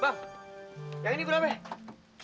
bang yang ini berapa ya